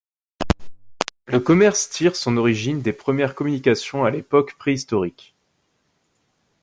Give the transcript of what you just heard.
Le commerce tire son origine des premières communications à l'époque préhistorique.